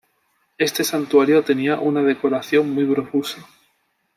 Este santuario tenía una decoración muy profusa.